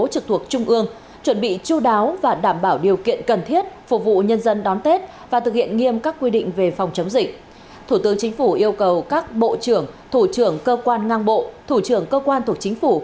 thủ tướng chính phủ yêu cầu các bộ trưởng thủ trưởng cơ quan ngang bộ thủ trưởng cơ quan thuộc chính phủ